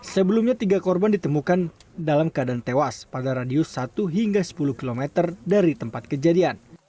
sebelumnya tiga korban ditemukan dalam keadaan tewas pada radius satu hingga sepuluh km dari tempat kejadian